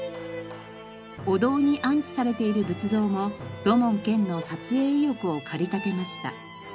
お堂に安置されている仏像も土門拳の撮影意欲を駆り立てました。